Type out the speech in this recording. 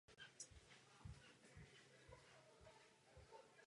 Biomasa může hrát značnou roli při nahrazení ropy a plynu.